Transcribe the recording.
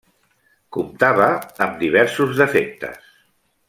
Comptava amb diversos defectes.